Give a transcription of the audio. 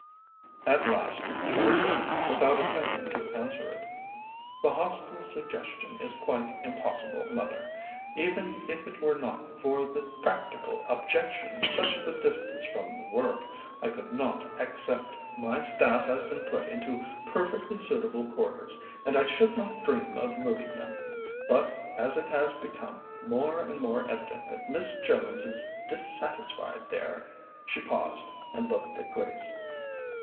At last Char said, without attempting to answer it: "The Hostel suggestion is quite impossible, mother. Even if it were not for the practical objections, such as the distance from the work, I could not accept. My staff has been put into perfectly suitable quarters, and I should not dream of moving them. But as it has become more and more evident that Miss Jones is dissatisfied there " She paused, and looked at Grace.